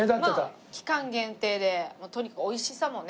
まあ期間限定でとにかくおいしさもね